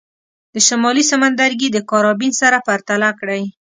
د شمالي سمندرګي د کارابین سره پرتله کړئ.